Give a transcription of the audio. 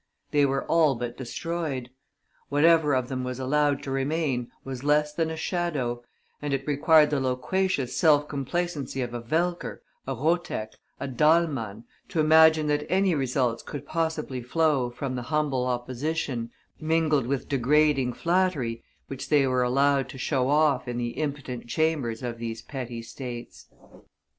They were all but destroyed; whatever of them was allowed to remain was less than a shadow, and it required the loquacious self complacency of a Welcker, a Rotteck, a Dahlmann, to imagine that any results could possibly flow from the humble opposition, mingled with degrading flattery, which they were allowed to show off in the impotent Chambers of these petty States.